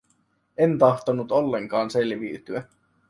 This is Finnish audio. En tahtonut ollenkaan selviytyä.